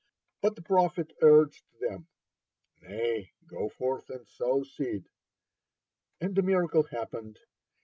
But the prophet urged them, "Nay, go forth and sow seed." And a miracle happened.